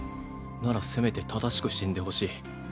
ならせめて正しく死んでほしい。